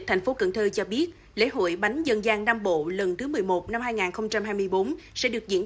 thành phố cần thơ cho biết lễ hội bánh dân gian nam bộ lần thứ một mươi một năm hai nghìn hai mươi bốn sẽ được diễn